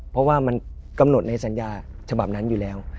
เพราะว่ามันกำหนดในสัญญาฉบับนั้นอยู่แล้ว